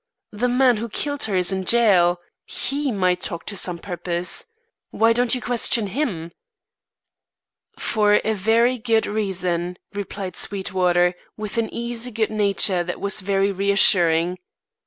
The man who killed her is in jail. He might talk to some purpose. Why don't you question him?" "For a very good reason," replied Sweetwater, with an easy good nature that was very reassuring.